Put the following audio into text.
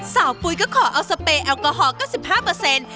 สาวปุ๋ยก็ขอเอาสเปร์แอลกอฮอล์๙๕